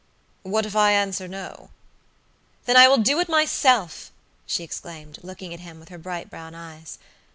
"What if I answer no?" "Then I will do it myself," she exclaimed, looking at him with her bright brown eyes.